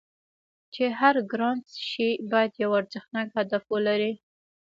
چې هر ګران شی باید یو ارزښتناک هدف ولري